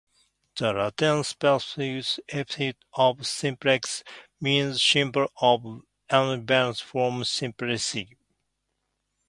The Latin specific epithet of "simplex" means simple or unbranched from "simplicissimus".